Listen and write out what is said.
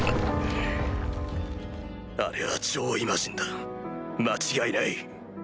あれは上位魔人だ間違いない。